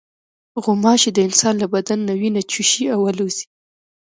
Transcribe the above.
غوماشې د انسان له بدن نه وینه چوشي او الوزي.